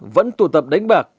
vẫn tụ tập đánh bạc